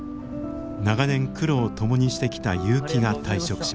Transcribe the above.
長年苦労を共にしてきた結城が退職しました。